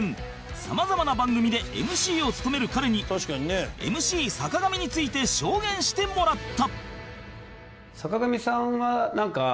さまざまな番組で ＭＣ を務める彼に ＭＣ 坂上について証言してもらった